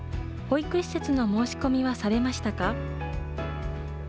保育施設の申し込みはされましたか？